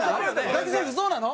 大吉先生そうなの？